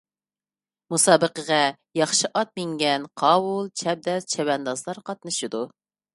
مۇسابىقىگە ياخشى ئات مىنگەن قاۋۇل، چەبدەس چەۋەندازلار قاتنىشىدۇ.